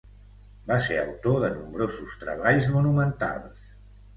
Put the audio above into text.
Va ser autor de nombrosos treballs monumentals.